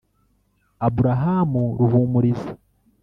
Abraham Ruhumuriza